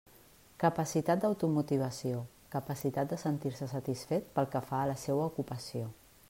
Capacitat d'automotivació: capacitat de sentir-se satisfet pel que fa a la seua ocupació.